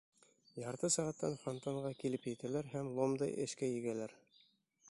Ярты сәғәттән фонтанға килеп етәләр һәм ломды эшкә егәләр.